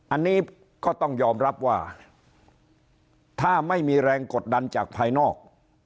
อันนี้ก็ต้องยอมรับว่าถ้าไม่มีแรงกดดันจากภายนอก